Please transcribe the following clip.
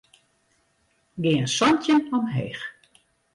Gean santjin omheech.